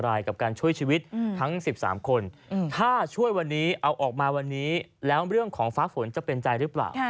รายกับการช่วยชีวิตทั้ง๑๓คนถ้าช่วยวันนี้เอาออกมาวันนี้แล้วเรื่องของฟ้าฝนจะเป็นใจหรือเปล่า